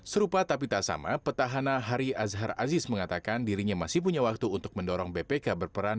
serupa tapi tak sama petahana hari azhar aziz mengatakan dirinya masih punya waktu untuk mendorong bpk berperan